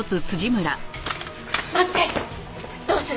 待って！